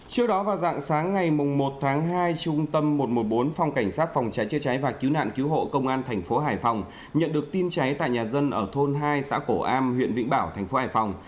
trước đó vào dạng sáng ngày một tháng hai trung tâm một trăm một mươi bốn phòng cảnh sát phòng cháy chế cháy và cứu nạn cứu hộ công an thành phố hải phòng nhận được tin cháy tại nhà dân ở thôn hai xã cổ am huyện vĩnh bảo thành phố hải phòng